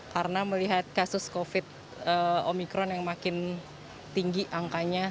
karena melihat kasus covid sembilan belas omikron yang makin tinggi angkanya